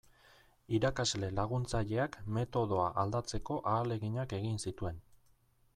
Irakasle laguntzaileak metodoa aldatzeko ahaleginak egin zituen.